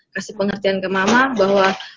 kasih pengertian ke mama bahwa